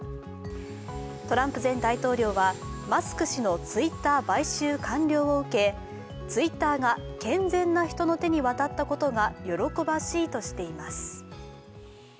トランプ前大統領は、マスク氏のツイッター買収の報を受けＴｗｉｔｔｅｒが健全の人の手に渡ったことが喜ばしいとしています。